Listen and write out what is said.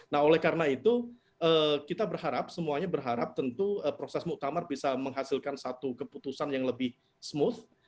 nah oleh karena itu kita berharap semuanya berharap tentu proses muktamar bisa menghasilkan satu keputusan yang lebih smooth